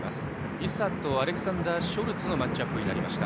伊佐とアレクサンダー・ショルツのマッチアップでした。